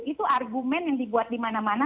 itu argumen yang dibuat dimana mana